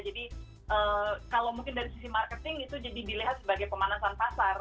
jadi kalau mungkin dari sisi marketing itu jadi dilihat sebagai pemanasan pasar